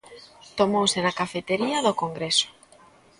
Tomouse na cafetería do Congreso.